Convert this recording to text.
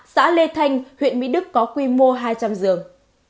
xã lê thanh huyện mỹ đức có quy mô hai trăm linh giường